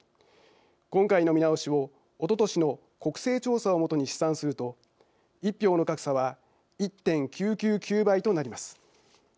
今回の見直しをおととしの国勢調査を基に試算すると１票の格差は１．９９９倍となります。